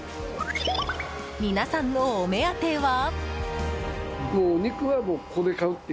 皆さんのお目当ては。